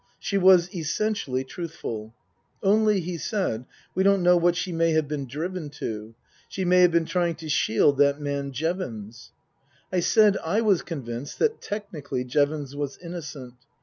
She was essentially truthful. " Only," he said, " we don't know what she may have been driven to. She may have been trying to shield that man Jevons." I said I was convinced that, technically, Jevons was innocent.